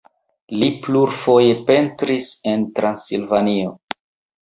Li plurfoje pentris en Transilvanio.